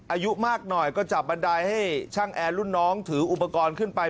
อายุมากหน่อยก็จับบันไดให้ช่างแอร์รุ่นน้องถืออุปกรณ์ขึ้นไป